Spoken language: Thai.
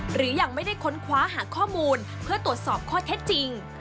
หรือยังไม่ได้ค้นคว้าหาข้อมูลเพื่อตรวจสอบข้อเท็จจริง